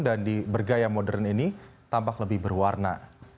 dan bergaya modern ini tampak lebih berwarna